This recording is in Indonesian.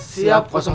siap satu komandan